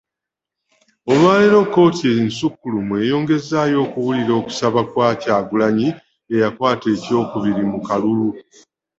Olwaleero kkooti ensukkulumu eyongezaayo okuwulira okusaba kwa Kyagulanyi eyakwata ekyokubiri mu kalulu